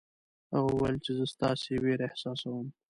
هغه وویل چې زه ستاسې وېره احساسوم.